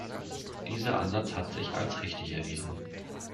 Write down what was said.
Dieser Ansatz hat sich als richtig erwiesen.